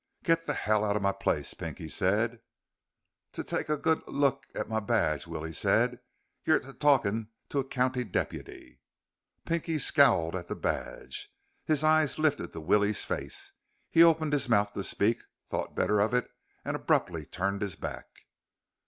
"Get the hell out of my place," Pinky said. "T take a good l look at my badge," Willie said. "You're t talking to a county deputy." Pinky scowled at the badge. His eyes lifted to Willie's face. He opened his mouth to speak, thought better of it, and abruptly turned his back.